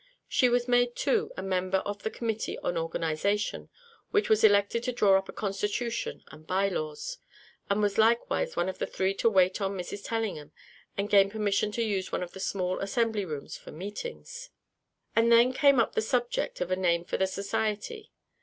She was made, too, a member of the Committee on Organization which was elected to draw up a Constitution and By Laws, and was likewise one of three to wait on Mrs. Tellingham and gain permission to use one of the small assembly rooms for meetings. And then came up the subject of a name for the society.